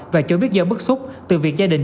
và cho biết do bức xúc từ việc gia đình